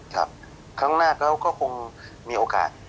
ครับครั้งหน้าแป๊วก็มีโอกาส